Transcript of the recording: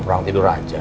mau tidur aja